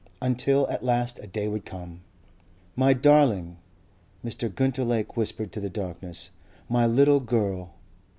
Until at last a day would come.... "My darling!" Mr. Gunter Lake whispered to the darkness. "My little guurl.